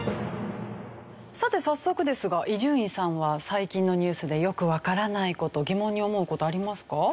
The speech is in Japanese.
さて早速ですが伊集院さんは最近のニュースでよくわからない事疑問に思う事ありますか？